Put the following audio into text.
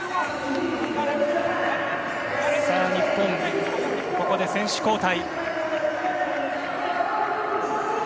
日本、ここで選手交代。